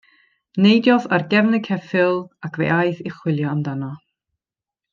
Neidiodd ar gefn y ceffyl, ac fe aeth i chwilio amdano.